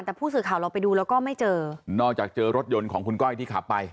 แต่ผู้สื่อข่าวเราไปดูแล้วก็ไม่เจอนอกจากเจอรถยนต์ของคุณก้อยที่ขับไป